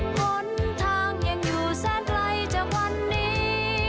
หนทางยังอยู่แสนไกลจากวันนี้